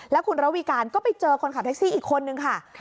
แล้วคุณระวีการก็ไปเจอคนขับแท็กซี่อีกคนนึงค่ะ